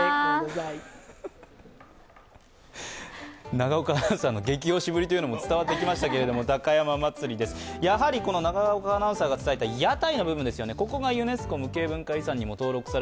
永岡アナウンサーのゲキ推しぶりも伝わってきましたけど、高山祭です、やは永岡アナウンサーが伝えた屋台の部分ですよね。